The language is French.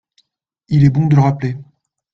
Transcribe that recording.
Il est bon de le rappeler